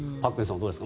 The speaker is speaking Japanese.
どうですか？